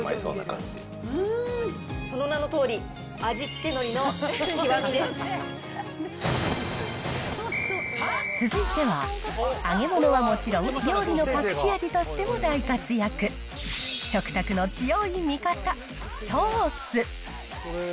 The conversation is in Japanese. その名のとおり、続いては、揚げ物はもちろん、料理の隠し味としても大活躍、食卓の強い味方、ソース。